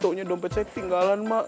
tau nya dompet saya tinggalan mak